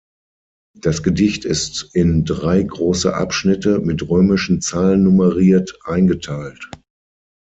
Das Gedicht ist in drei große Abschnitte, mit römischen Zahlen nummeriert, eingeteilt.